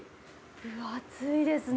分厚いですね。